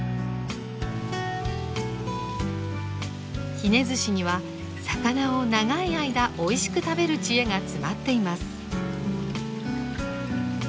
ひねずしには魚を長い間おいしく食べる知恵が詰まっています。